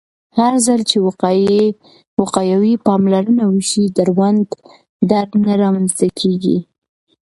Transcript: هرځل چې وقایوي پاملرنه وشي، دروند درد نه رامنځته کېږي.